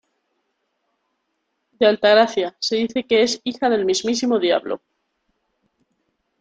De Altagracia, se dice que es hija del mismísimo diablo.